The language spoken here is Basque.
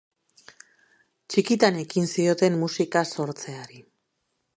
Txikitan ekin zioten musika sortzeari.